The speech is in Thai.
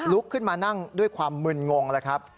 ลุกขึ้นมานั่งด้วยความมึนงงแล้วครับ